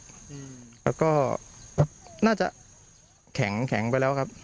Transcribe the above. แล้วก็น่าจะแข็งแข็งไปแล้วครับ